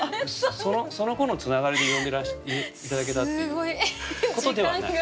そのころのつながりで呼んで頂けたっていうことではない？